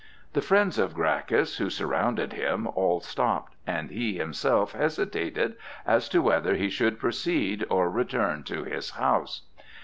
The friends of Gracchus, who surrounded him, all stopped, and he himself hesitated as to whether he should proceed or return to his house.